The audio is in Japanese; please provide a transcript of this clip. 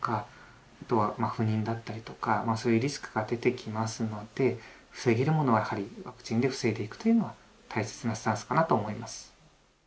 あとは不妊だったりとかそういうリスクが出てきますので防げるものはやはりワクチンで防いでいくというのは大切なスタンスかなと思います。